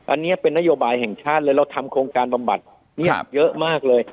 อันนี้เป็นนโยบายแห่งชาติเลยเราทำโครงการบำบัดเนี่ยเยอะมากเลย